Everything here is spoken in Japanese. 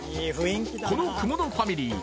この雲野ファミリー